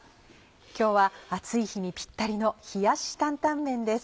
今日は暑い日にぴったりの「冷やし坦々麺」です。